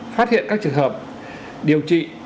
phát hiện các trường hợp điều trị